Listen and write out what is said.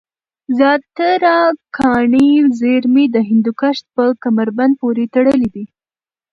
زیاتره کاني زېرمي د هندوکش په کمربند پورې تړلې دی